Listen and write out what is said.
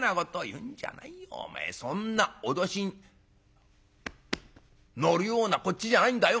お前そんな脅しに乗るようなこっちじゃないんだよ。